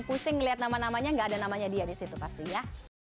pusing melihat nama namanya gak ada namanya dia di situ pasti ya